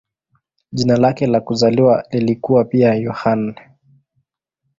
Jina lake la kuzaliwa lilikuwa pia "Yohane".